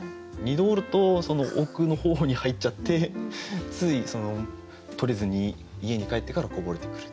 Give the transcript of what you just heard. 二度折るとその奥の方に入っちゃってつい取れずに家に帰ってからこぼれてくる。